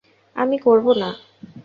আমি করব না।